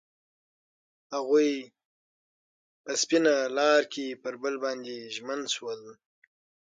هغوی په سپین لاره کې پر بل باندې ژمن شول.